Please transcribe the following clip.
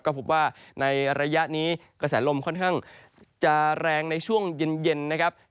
ก็พบว่าในระยะนี้กระแสลมค่อนข้างจะแรงในช่วงเย็นนะครับ